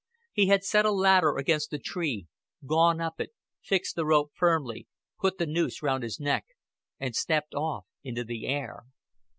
He had set a ladder against the tree, gone up it, fixed the rope firmly, put the noose round his neck, and stepped off into the air.